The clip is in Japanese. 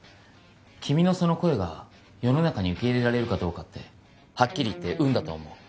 君のその声が世の中に受け入れられるかどうかってはっきり言って運だと思う